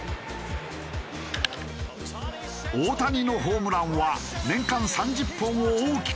大谷のホームランは年間３０本を大きく超えるペース。